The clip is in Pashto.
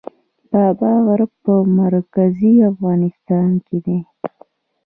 بابا غر په مرکزي افغانستان کې دی